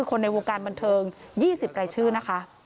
คนในวงการบันเทิง๒๐รายชื่อนะคะ